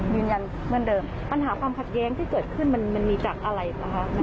ยืนยันเหมือนเดิมปัญหาความขัดแย้งที่เกิดขึ้นมันมีจากอะไรนะคะ